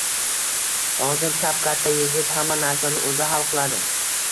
Hozirkap-katta yigit, hamma narsani oʻzi hal qiladi